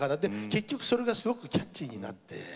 結局それがすごくキャッチーになって。